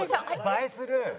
映えする。